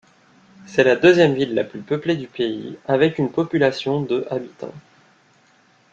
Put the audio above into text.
C'est la deuxième ville la plus peuplée du pays, avec une population de habitants.